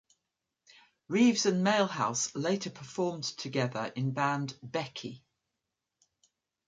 Reeves and Mailhouse later performed together in band Becky.